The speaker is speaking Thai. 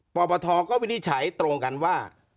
ปปทก็วินิจฉัยตรงกันว่า